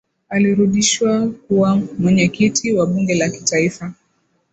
alirudishwa kuwa mwenyekiti wa bunge la kitaifa